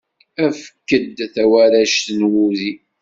Efk-d tawarect n wudi.